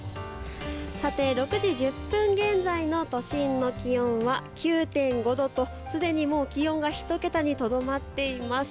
さて６時１０分現在の都心の気温は９．５度と気温が１桁にとどまっています。